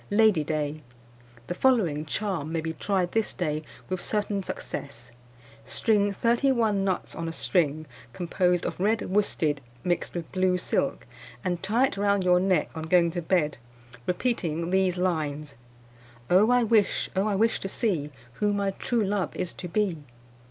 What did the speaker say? "Lady Day. The following charm may be tried this day with certain success: String thirty one nuts on a string, composed of red worsted mixed with blue silk, and tie it round your neck on going to bed, repeating these lines: "Oh, I wish! oh, I wish to see Who my true love is to be!